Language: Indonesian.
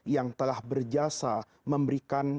yang telah berjasa memberikan